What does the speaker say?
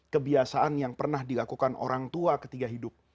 kebiasaan yang pernah dilakukan orang tua ketika hidup